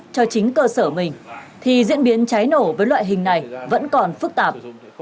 và chính cơ sở mình thì diễn biến cháy nổ với loại hình này vẫn còn phức tạp